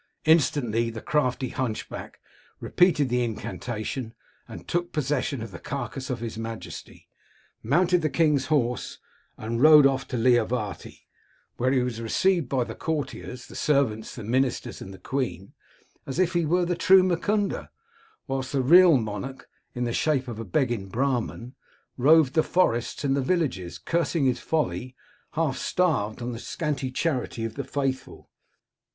Instantly the crafty hunchback repeated the incantation, and took possession of the carcass of his majesty, mounted the king's horse, and rode off to Liavati, where he was received by the courtiers, the servants, the ministers, and th^ queen as if he were the true Mukunda, whilst the real monarch, in the shape of a begging Brahmin, roved the forests and the villages, cursing his folly, half starved on the scanty charity of the faithful.